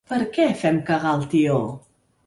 Per què fem cagar el tió?